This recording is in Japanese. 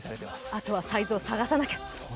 あとはサイズを探さなきゃ。